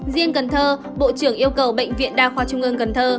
riêng cần thơ bộ trưởng yêu cầu bệnh viện đa khoa trung ương cần thơ